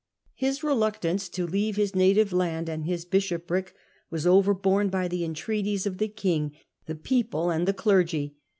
His reluctance to leave his native land and his bishopric was overborne by the entreaties of the king, the people, and the clergy.